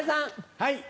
はい。